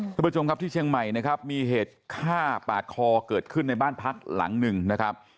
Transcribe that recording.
คุณผู้ชมครับที่เชียงใหม่นะครับมีเหตุฆ่าปาดคอเกิดขึ้นในบ้านพักหลังหนึ่งนะครับ